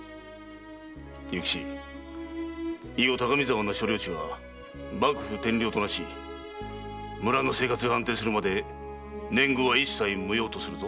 勇吉以後高見沢の所領地は幕府天領となし村の生活が安定するまで年貢は一切無用とするぞ。